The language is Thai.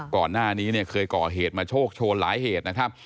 ก่อนหน้านี้เนี่ยเคยก่อเหตุมาโชคโชนหลายเหตุนะครับ